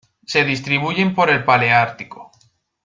Se distribuyen por el paleártico.